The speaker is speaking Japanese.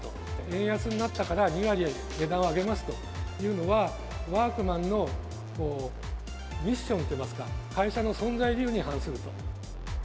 円安になったから、２割、値段を上げますというのは、ワークマンのミッションといいますか、会社の存在理由に反すると。